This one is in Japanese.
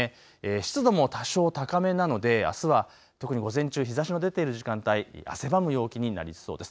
湿度も多少高めなのであすは特に午前中、日ざしが出ている時間帯、汗ばむ陽気になりそうです。